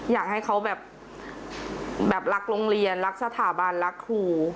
อยากให้เขาแบบรักโรงเรียนรักสถาบันรักครู